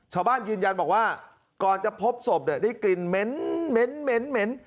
ชาวบ้านยืนยันบอกว่าก่อนจะพบศพเนี่ยได้กลิ่นเม้นเม้นเม้นเม้น